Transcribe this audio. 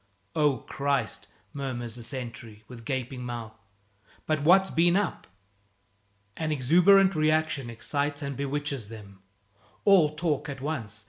"Oh, Christ!" murmurs the sentry, with gaping mouth, "but what's been up?" An exuberant reaction excites and bewitches them. All talk at once.